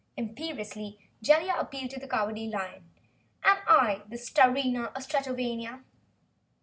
Imperiously Jellia appealed to the Cowardly Lion. "Am I the Starina of Stratovania?"